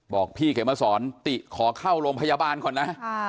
บอกพี่เขมสอนติขอเข้าโรงพยาบาลก่อนนะ